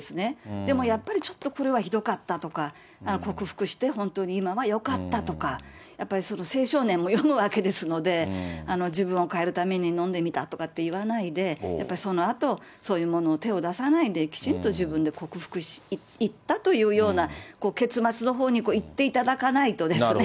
でもやっぱりちょっとこれはひどかったとか、克服して本当に今はよかったとか、やっぱり青少年も読むわけですので、自分を変えるために飲んでみたとかって言わないで、やっぱりそのあと、そういうものに手を出さないできちんと自分で克服していったというような結末のほうにいっていただかないとですね。